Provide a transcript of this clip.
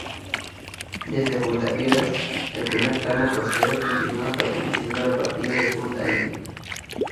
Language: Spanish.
Desde punta Piedras, el primer tramo costero continúa perteneciendo al partido de Punta Indio.